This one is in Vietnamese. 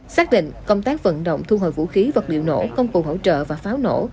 xác định công tác vận động thu hồi vũ khí vật liệu nổ công cụ hỗ trợ và pháo nổ